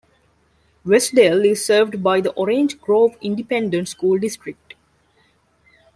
Westdale is served by the Orange Grove Independent School District.